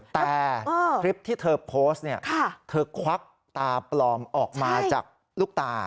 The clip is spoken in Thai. แต่คลิปที่เธอโพสต์เนี่ยเธอควักตาปลอมออกมาจากลูกตา